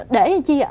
để chi ạ